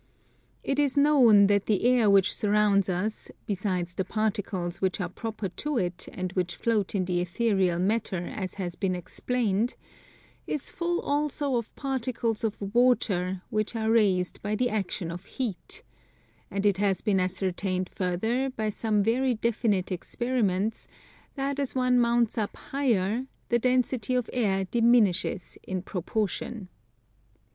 It is known that the air which surrounds us, besides the particles which are proper to it and which float in the ethereal matter as has been explained, is full also of particles of water which are raised by the action of heat; and it has been ascertained further by some very definite experiments that as one mounts up higher the density of air diminishes in proportion.